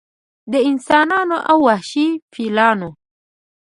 د انسانانو او وحشي فیلانو